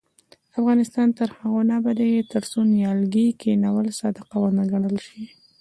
افغانستان تر هغو نه ابادیږي، ترڅو نیالګي کښینول صدقه ونه ګڼل شي.